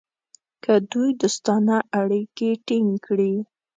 که دوی دوستانه اړیکې ټینګ کړي.